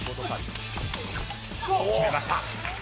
決めました。